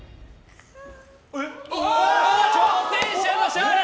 挑戦者の勝利！